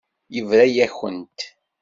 Yebra-yakent.